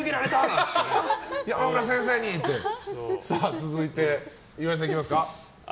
続いて、岩井さんいきますか。